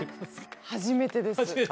初めてです。